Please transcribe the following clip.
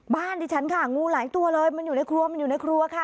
ดิฉันค่ะงูหลายตัวเลยมันอยู่ในครัวมันอยู่ในครัวค่ะ